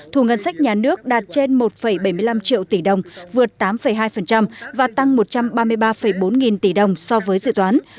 thủ ngân sách nhà nước đạt trên một bảy mươi năm triệu tỷ đồng vượt tám hai và tăng một trăm ba mươi ba bốn nghìn tỷ đồng so với dự toán